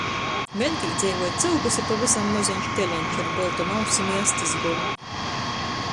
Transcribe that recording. Vēļ tī dzeivoj cyukys i pavysam mozeņš teleņš ar boltom ausim i astis golu.